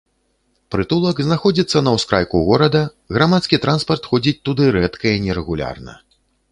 Прытулак знаходзіцца на ўскрайку горада, грамадскі транспарт ходзіць туды рэдка і нерэгулярна.